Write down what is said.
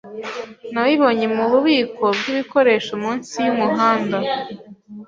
Nabibonye mububiko bwibikoresho munsi yumuhanda.